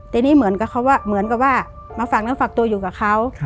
แต่นี่เหมือนกับเขาว่ามาฝังแล้วฝักตัวอยู่กับเขา